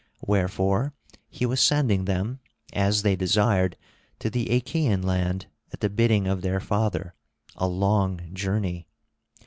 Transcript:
Wherefore he was sending them, as they desired, to the Achaean land at the bidding of their father—a long journey.